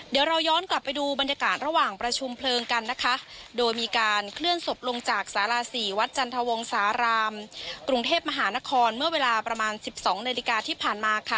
เดี๋ยวเราย้อนกลับไปดูบรรยากาศระหว่างประชุมเพลิงกันนะคะโดยมีการเคลื่อนศพลงจากสาราสี่วัดจันทวงสารามกรุงเทพมหานครเมื่อเวลาประมาณสิบสองนาฬิกาที่ผ่านมาค่ะ